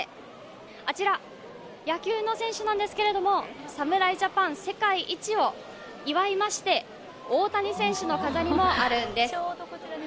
野球の選手なんですけども、侍ジャパン世界一を祝いまして、大谷選手の飾りもあるんです。